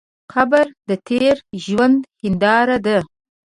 قبر د تېر ژوند هنداره ده.